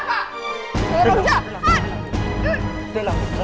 ini orang jahat